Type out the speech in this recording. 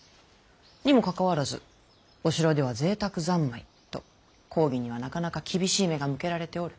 にもかかわらずお城では贅沢三昧と公儀にはなかなか厳しい目が向けられておる。